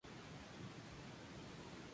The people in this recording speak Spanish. Se ha retirado del torneo.